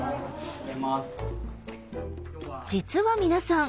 実は皆さん